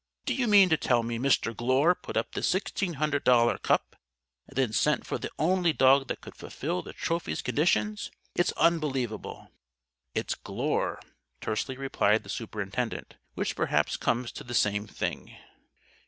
Do you mean to tell me Mr. Glure put up this sixteen hundred dollar cup and then sent for the only dog that could fulfill the Trophy's conditions? It's unbelievable!" "It's Glure," tersely replied the Superintendent. "Which perhaps comes to the same thing."